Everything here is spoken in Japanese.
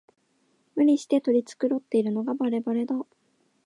無理して取り繕ってるのがバレバレだ